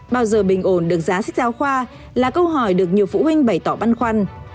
bao giờ bình ổn được giá sách giáo khoa là câu hỏi được nhiều phụ huynh bày tỏ băn khoăn